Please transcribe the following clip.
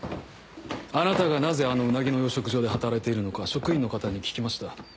あなたがなぜあのウナギの養殖場で働いているのか職員の方に聞きました。